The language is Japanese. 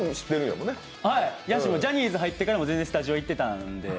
ジャニーズ入ってからも全然スタジオに行ってたんで。